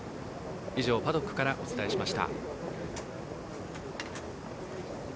以上、パドックからお伝えしました。